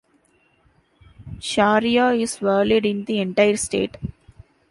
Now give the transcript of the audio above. Sharia is valid in the entire state.